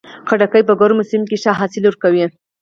خټکی په ګرمو سیمو کې ښه حاصل ورکوي.